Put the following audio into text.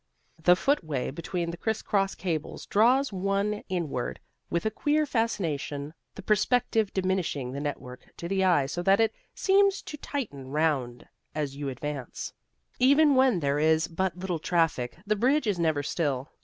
The footway between the criss cross cables draws one inward with a queer fascination, the perspective diminishing the network to the eye so that it seems to tighten round you as you advance. Even when there is but little traffic the bridge is never still.